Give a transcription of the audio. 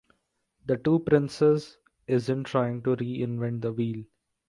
The Two Princes isn’t trying to reinvent the wheel.